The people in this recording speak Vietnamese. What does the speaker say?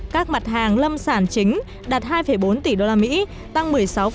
các mặt hàng lâm sản chính đạt hai bốn tỷ usd tăng một mươi sáu